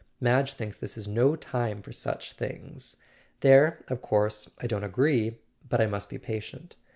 Madge thinks this is no time for such things. There, of course, I don't agree; but I must be patient.